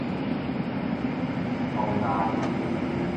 宏牙利